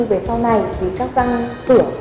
về sau này vì các răng cửa